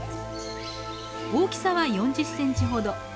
大きさは４０センチほど。